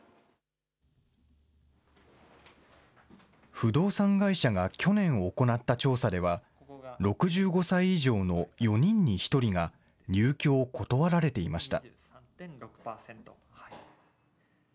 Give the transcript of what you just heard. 不動産会社が去年行った調査では、６５歳以上の４人に１人が、入居を断られていました。